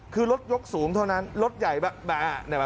คือรถยกสูงเท่านั้นรถใหญ่